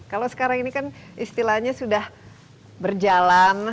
kalau sekarang ini kan istilahnya sudah berjalan